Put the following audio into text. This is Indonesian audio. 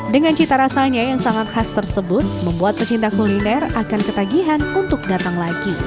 dengan cita rasanya yang sangat khas tersebut membuat pecinta kuliner akan ketagihan untuk datang lagi